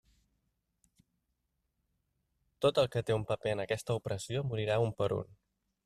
Tot el que té un paper en aquesta opressió morirà un per un.